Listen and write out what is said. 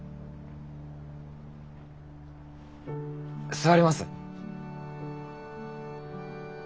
座ります？